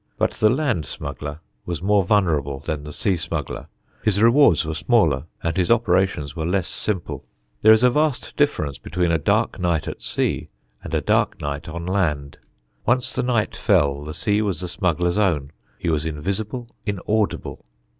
But the land smuggler was more vulnerable than the sea smuggler, his rewards were smaller, and his operations were less simple. There is a vast difference between a dark night at sea and a dark night on land. Once the night fell the sea was the smuggler's own: he was invisible, inaudible.